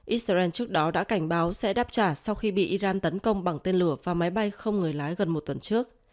israel trước đó đã cảnh báo sẽ đáp trả sau khi bị iran tấn công bằng tên lửa và máy bay không người lái gần một tuần trước